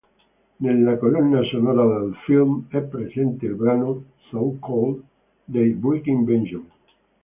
Nella colonna sonora del film è presente il brano "So Cold" dei Breaking Benjamin.